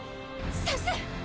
先生？